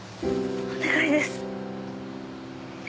お願いです！